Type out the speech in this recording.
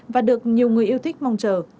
và được nhiều người yêu thích mong chờ